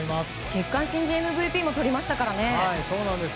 月間新人ＭＶＰもとりましたからね。